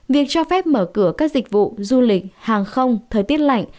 việc cho phép mở cửa các dịch vụ du lịch hàng không thời tiết lạnh